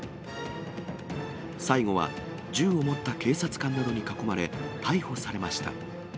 最後は銃を持った警察官などに囲まれ、逮捕されました。